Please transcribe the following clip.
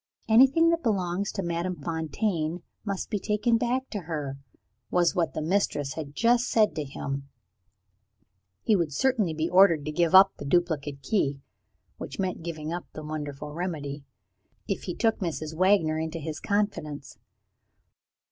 "Anything that belongs to Madame Fontaine must be taken back to her" was what the Mistress had just said to him. He would certainly be ordered to give up the duplicate key (which meant giving up the wonderful remedy) if he took Mrs. Wagner into his confidence.